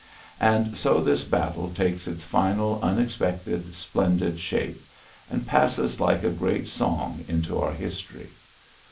And so this battle takes its final unexpected splendid shape, and passes like a great song into our history.